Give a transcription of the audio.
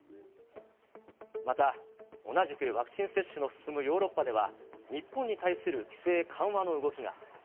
また、同じくワクチン接種の進むヨーロッパでは、日本に対する規制緩和の動きが。